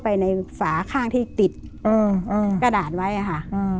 ไปในฝาข้างที่ติดกระดาษไว้ค่ะ